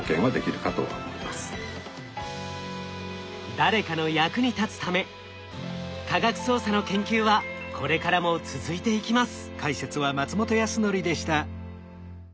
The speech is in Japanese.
誰かの役に立つため科学捜査の研究はこれからも続いていきます。